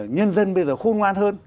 nhân dân bây giờ khôn ngoan hơn